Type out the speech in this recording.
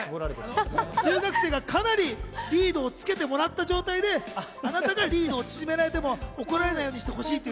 留学生にかなりリードをつけてもらった状態であなたがリードを縮められても怒られないようにしてほしいと。